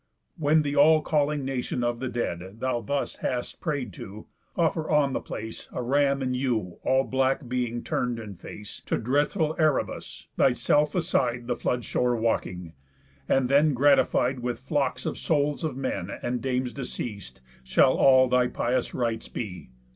When the all calling nation of the dead Thou thus hast pray'd to, offer on the place A ram and ewe all black being turn'd in face To dreadful Erebus, thyself aside The flood's shore walking. And then, gratified With flocks of souls of men and dames deceas'd Shall all thy pious rites be.